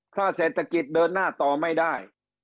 ถ้าเศรษฐกิจเดินหน้าต่อไม่ได้